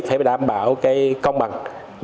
phải đảm bảo công bằng